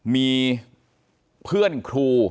มีเพื่อนครู